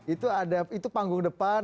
itu ada itu panggung depan